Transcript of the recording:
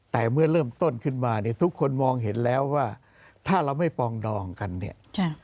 แต่เมื่อเริ่มต้นขึ้นมาเนี่ยทุกคนมองเห็นแล้วว่าถ้าเราไม่ปองดองกันเนี่ย